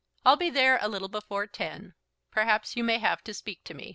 I'll be there a little before ten. Perhaps you may have to speak to me."